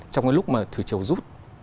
trong cái lúc mà thủy triều rút